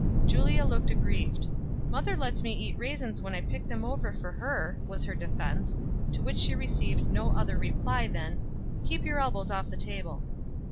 Julia looked aggrieved. "Mother lets me eat raisins when I pick them over for her," was her defense; to which she received no other reply than "Keep your elbows off the table."